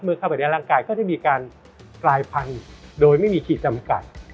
เข้าไปในร่างกายก็จะมีการกลายพันธุ์โดยไม่มีขีดจำกัด